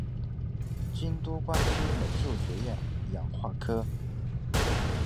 京都关西美术学院洋画科